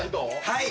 はい。